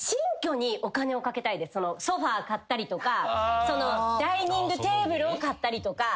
ソファ買ったりとかダイニングテーブルを買ったりとか。